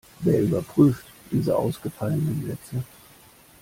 Wer überprüft diese ausgefallenen Sätze?